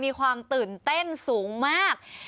มีความตื่นเต้นสูงมาก